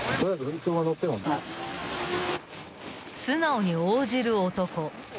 ［素直に応じる男］